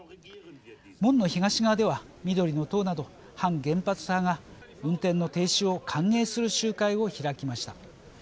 門の東側では緑の党など反原発派が運転の停止を歓迎する集会を開きました。